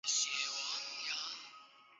境内的华闾古都为丁朝和前黎朝的首都。